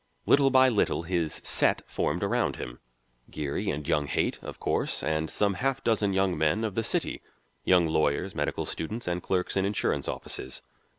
Little by little his "set" formed around him; Geary and young Haight, of course, and some half dozen young men of the city: young lawyers, medical students, and clerks in insurance offices.